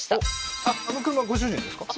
あの車ご主人ですか？